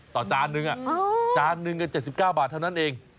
จานนึงจานหนึ่งก็๗๙บาทเท่านั้นเอง